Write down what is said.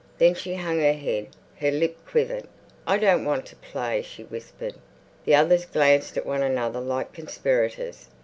Then she hung her head; her lip quivered. "I don't want to play," she whispered. The others glanced at one another like conspirators.